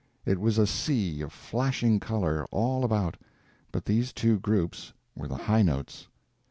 It was a sea of flashing color all about, but these two groups were the high notes.